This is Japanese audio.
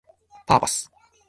パーパス